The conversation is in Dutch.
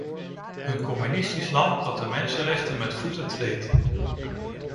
Een communistisch land dat de mensenrechten met voeten treedt.